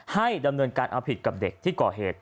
ให้ดำเนินการเอาผิดกับเด็กที่ก่อเหตุ